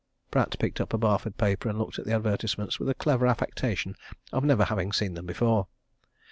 Pratt picked up a Barford paper and looked at the advertisements with a clever affectation of having never seen them before.